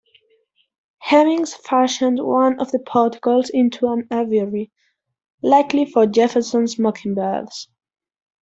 Hemmings fashioned one of the porticles into an aviary, likely for Jefferson's mockingbirds.